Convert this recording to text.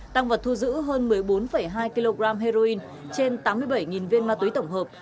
tăng vật thu giữ hơn một mươi bốn hai kg heroin trên tám mươi bảy viên ma túy tổng hợp